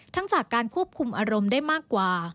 จากการควบคุมอารมณ์ได้มากกว่า